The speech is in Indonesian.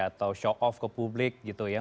atau show off ke publik gitu ya